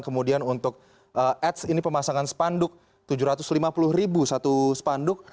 kemudian untuk ads ini pemasangan spanduk tujuh ratus lima puluh ribu satu spanduk